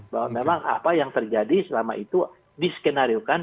bahwa memang apa yang terjadi selama itu diskenariokan